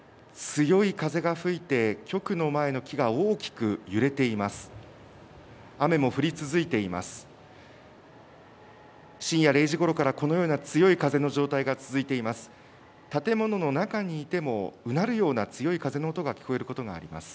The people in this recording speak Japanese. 強い風が吹いて、局の前の木が大きく揺れています。